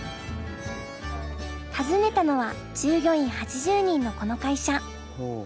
訪ねたのは従業員８０人のこの会社。